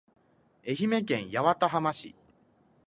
愛媛県八幡浜市